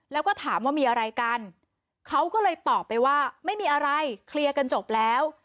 แล้วก็ถามว่ามีอะไรกันเขาก็เลยตอบไปว่าไม่มีอะไรเคลียร์กันจบแล้ว